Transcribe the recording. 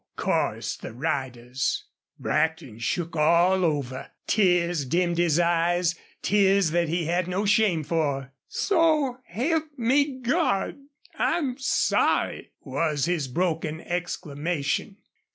chorused the riders. Brackton shook all over. Tears dimmed his eyes tears that he had no shame for. "So help me Gawd I'm sorry!" was his broken exclamation.